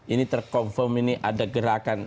ini terkonfirm ini ada gerakan